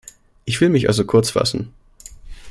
Ich will mich also kurz fassen.